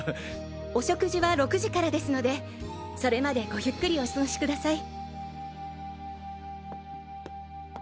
お食事は６時からですのでそれまでごゆっくりお過ごしください。